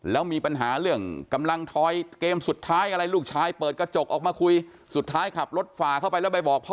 แล้วมีปัญหาเรื่องกำลังถอยเกมสุดท้ายอะไรลูกชายเปิดกระจกออกมาคุยสุดท้ายขับรถฝ่าเข้าไปแล้วไปบอกพ่อ